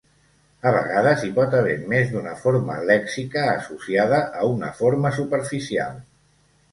A vegades hi pot haver més d'una forma lèxica associada a una forma superficial.